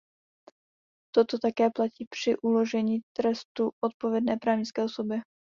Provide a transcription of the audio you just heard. Toto také platí při uložení trestu odpovědné právnické osobě.